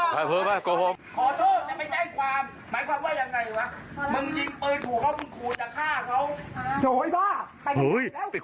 ไปเพิ่มป่ะเค้าโภค